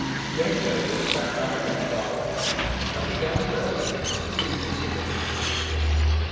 Young Jolyon sat down not far off, and began nervously to reconsider his position.